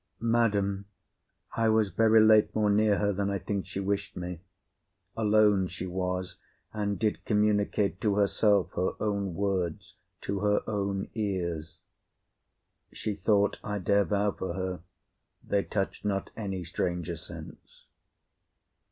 Madam, I was very late more near her than I think she wish'd me; alone she was, and did communicate to herself her own words to her own ears; she thought, I dare vow for her, they touch'd not any stranger sense.